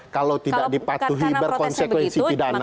kalau tidak dipatuhi berkonsekuensi pidana